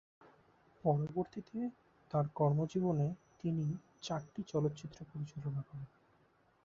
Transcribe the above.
পরবর্তীতে তার কর্মজীবনে তিনি চারটি চলচ্চিত্র পরিচালনা করেন।